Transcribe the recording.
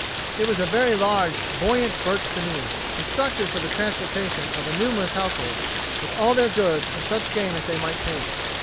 It was a very large buoyant birch canoe, constructed for the transportation of a numerous household, with all their goods, and such game as they might take.